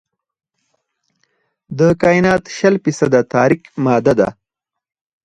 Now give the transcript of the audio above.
د کائنات شل فیصده تاریک ماده ده.